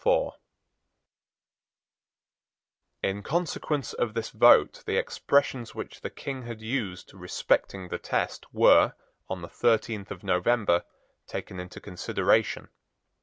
In consequence of this vote the expressions which the King had used respecting the test were, on the thirteenth of November, taken into consideration.